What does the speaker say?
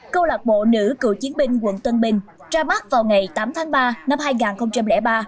câu lạc bộ nữ cựu chiến binh quận tân bình ra mắt vào ngày tám tháng ba năm hai nghìn ba